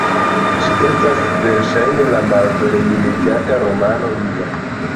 Ĝi estas verŝajne la malplej legata romano lia.